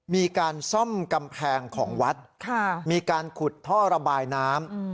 มีการซ่อมกำแพงของวัดมีการขุดท่อระบายน้ำ